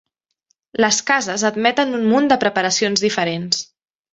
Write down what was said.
Les cases admeten un munt de preparacions diferents.